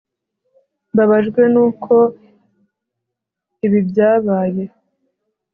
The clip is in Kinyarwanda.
mbabajwe nuko ibi byabaye